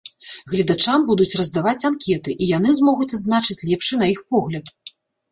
Гледачам будуць раздаваць анкеты, і яны змогуць адзначыць лепшы на іх погляд.